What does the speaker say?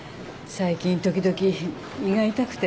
最近時々胃が痛くて。